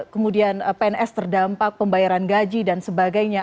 kemudian pns terdampak pembayaran gaji dan sebagainya